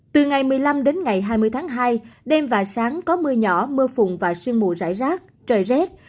từ ngày một mươi năm đến ngày hai mươi tháng hai đêm và sáng có mưa nhỏ mưa phùng và sương mù rải rác trời rét